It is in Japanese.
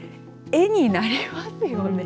絵になりますよね。